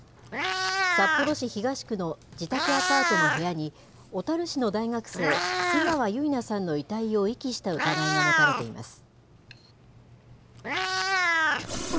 札幌市東区の自宅アパートの部屋に、小樽市の大学生、瀬川結菜さんの遺体を遺棄した疑いが持たれています。